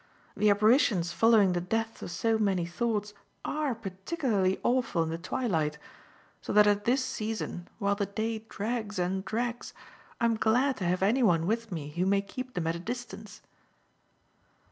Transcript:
The apparitions following the deaths of so many thoughts ARE particularly awful in the twilight, so that at this season, while the day drags and drags, I'm glad to have any one with me who may keep them at a distance."